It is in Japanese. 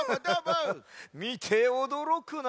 みておどろくなよ。